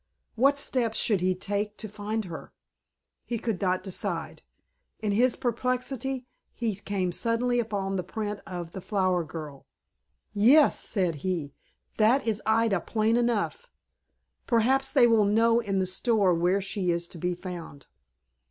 What steps should he take to find her? He could not decide. In his perplexity he came suddenly upon the print of the "Flower Girl." "Yes," said he, "that is Ida, plain enough. Perhaps they will know in the store where she is to be found."